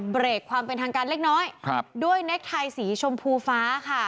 เบรกความเป็นทางการเล็กน้อยครับด้วยเน็กไทยสีชมพูฟ้าค่ะ